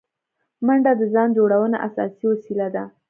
منډه د ځان جوړونې اساسي وسیله ده